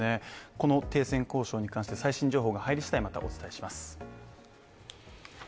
この停戦交渉に関して最新情報が入り次第、お伝えします。